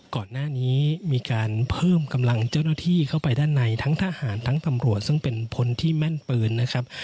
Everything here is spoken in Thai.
ก่อนหน้านี้มีการเพิ่มกำลังเจ้าหน้าที่เข้าไปด้านในทั้งทหารทั้งตำรวจซึ่งเป็นพลที่แม่นปืนนะครับ